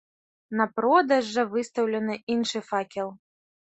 На продаж жа выстаўлены іншы факел.